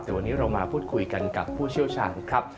แต่วันนี้เรามาพูดคุยกันกับผู้เชี่ยวชาญครับ